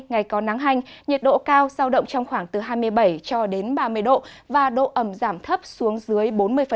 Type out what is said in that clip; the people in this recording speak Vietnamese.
ngày có nắng hành nhiệt độ cao giao động trong khoảng từ hai mươi bảy cho đến ba mươi độ và độ ẩm giảm thấp xuống dưới bốn mươi